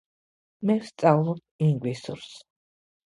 მე ვსწავლობ ინგლისურს